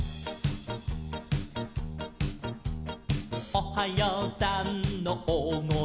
「おはようさんのおおごえと」